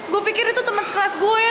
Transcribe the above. gue pikir itu temen sekelas gue